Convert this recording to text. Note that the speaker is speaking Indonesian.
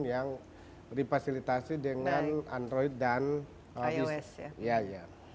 yang dipasilitasi dengan android dan ios